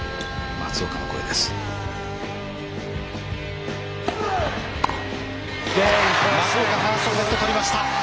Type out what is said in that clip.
松岡、ファーストセット取りました。